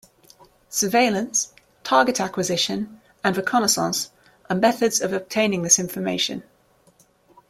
"Surveillance", "target acquisition" and "reconnaissance" are methods of obtaining this information.